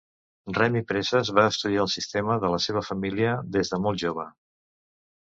Remy Presas va estudiar el sistema de la seva família des de molt jove.